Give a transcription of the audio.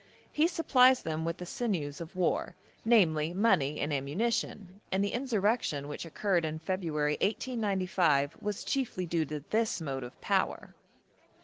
He supplies them with the sinews of war, namely money and ammunition, and the insurrection which occurred in February 1895 was chiefly due to this motive power.